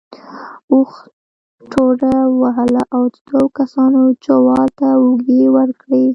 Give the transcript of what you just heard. اوښ ټوډه ووهله او دوو کسانو جوال ته اوږې ورکړې.